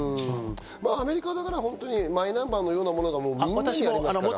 アメリカだからマイナンバーのようなものがありますからね。